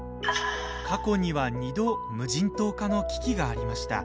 過去には２度無人島化の危機がありました。